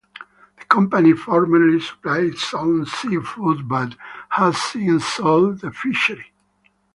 The company formerly supplied its own seafood but has since sold the fishery.